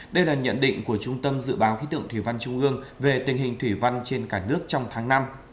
đây là nhận định của trung tâm dự báo khí tượng thủy văn trung ương về tình hình thủy văn trên cả nước trong tháng năm